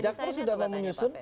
jakarta sudah menyusun